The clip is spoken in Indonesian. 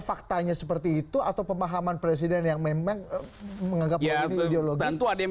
faktanya seperti itu atau pemahaman presiden yang memang menganggap ya berbentuk ada yang